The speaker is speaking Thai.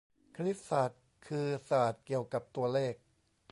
คณิตศาสตร์คือศาสตร์เกี่ยวกับตัวเลข